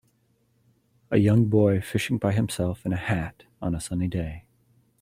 A young boy fishing by himself in a hat, on a sunny day.